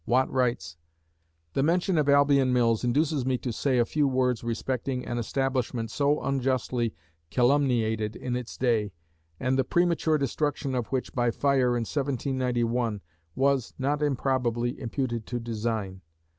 Watt writes: The mention of Albion Mills induces me to say a few words respecting an establishment so unjustly calumniated in its day, and the premature destruction of which, by fire, in 1791, was, not improbably, imputed to design.